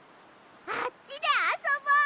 あっちであそぼう！